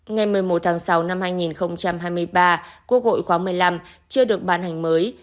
ngày một mươi một tháng sáu năm hai nghìn hai mươi ba quốc hội khóa một mươi năm chưa được ban hành mới